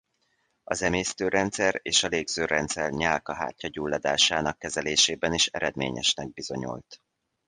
Az emésztőrendszer és a légzőrendszer nyálkahártya-gyulladásának kezelésében is eredményesnek bizonyult.